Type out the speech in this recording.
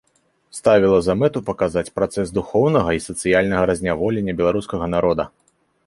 Ставіла за мэту паказаць працэс духоўнага і сацыяльнага разняволення беларускага народа.